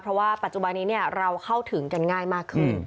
เพราะว่าปัจจุบันนี้เราเข้าถึงกันง่ายมากขึ้น